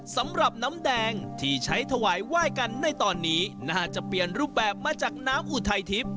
สำหรับน้ำแดงที่ใช้ถวายไหว้กันในตอนนี้น่าจะเปลี่ยนรูปแบบมาจากน้ำอุทัยทิพย์